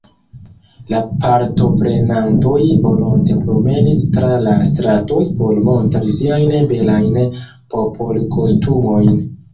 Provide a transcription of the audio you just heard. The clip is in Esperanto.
La partoprenantoj volonte promenis tra la stratoj por montri siajn belajn popolkostumojn.